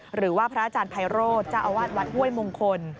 หรือว่าพระอาจารย์ไพโรธเจ้าอาวาสวัดห้วยมงคล